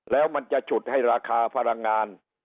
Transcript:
แล้วมันจะฉุดให้ราคาพลังงาน